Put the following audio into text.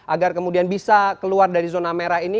agar kemudian bisa keluar dari zona merah ini